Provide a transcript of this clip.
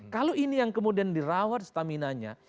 kalau ini yang kemudian dirawat stamina nya